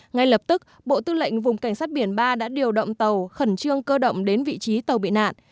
ngay lập tức bộ tư lệnh vùng cảnh sát biển ba đã điều động tàu khẩn trương cơ động đến vị trí tàu bị nạn